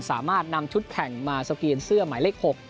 สามารถนำชุดแข่งมาสกรีนเสื้อหมายเลข๖